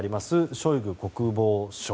ショイグ国防相。